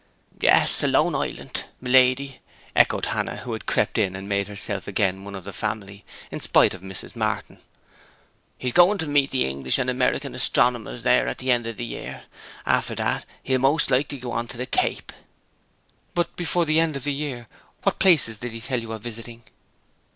'Yes, a lone islant, my lady!' echoed Hannah, who had crept in and made herself one of the family again, in spite of Mrs. Martin. 'He is going to meet the English and American astronomers there at the end of the year. After that he will most likely go on to the Cape.' 'But before the end of the year what places did he tell you of visiting?'